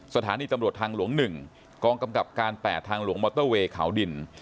สถานีตำรวจทางหลวง๑กองกำกับการ๘ทางหลวงมอเตอร์เวย์เขาดิน